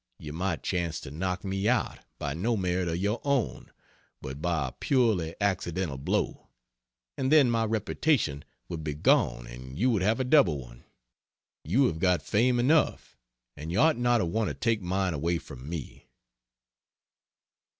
You might chance to knock me out, by no merit of your own, but by a purely accidental blow; and then my reputation would be gone and you would have a double one. You have got fame enough and you ought not to want to take mine away from me."